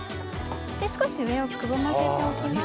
少し上をくぼませておきます。